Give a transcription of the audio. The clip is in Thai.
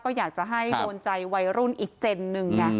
ก็อยากจะให้โดนใจวัยรุ่นอีกเจนหนึ่งไง